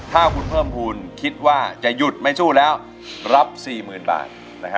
ถ้าคุณเพิ่มหุลคิดว่าจะหยุดไม่รู้รับ๔๐๐๐๐บาท